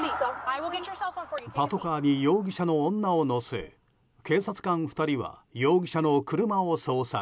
パトカーに容疑者の女を乗せ警察官２人は容疑者の車を捜索。